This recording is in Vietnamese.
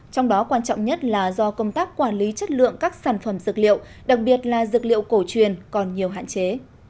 trong đó quan trọng nhất là do công tác quản lý chất lượng các sản phẩm dược liệu đặc biệt là dược liệu cổ truyền còn nhiều hạn chế